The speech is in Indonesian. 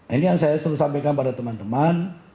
ini yang saya selalu sampaikan pada teman teman